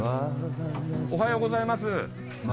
おはようございます。